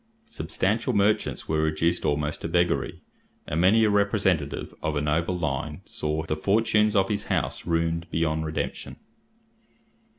Substantial merchants were reduced almost to beggary, and many a representative of a noble line saw the fortunes of his house ruined beyond redemption.